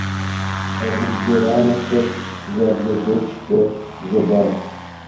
Щхьэгъубжэ рамэхэр бжаблэдэчкӏэ жьэдах.